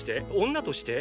女として？